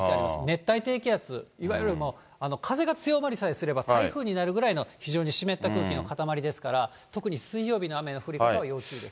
熱帯低気圧、いわゆる風が強まりさえすれば、台風になるぐらいの非常に湿った空気のかたまりですから、特に水曜日の雨の降り方は要注意です。